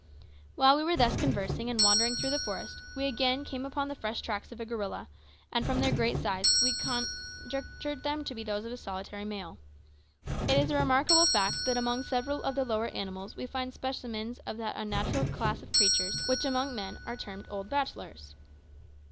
While we were thus conversing and wandering through the forest, we again came upon the fresh tracks of a gorilla, and from their great size we conjectured them to be those of a solitary male. It is a remarkable fact that among several of the lower animals we find specimens of that unnatural class of creatures which among men are termed old bachelors!